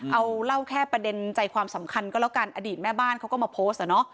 เอาเล่าแค่ประเด็นใจความสำคัญก็แล้วกันอดีตแม่บ้านเขาก็มาโพสต์อะเนาะ